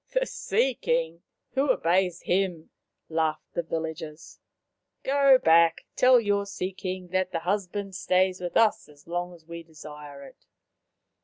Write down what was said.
" The Sea king ! Who obeys him ?" laughed the villagers. " Go back. Tell your Sea king that the husband stays with us as long as we desire it."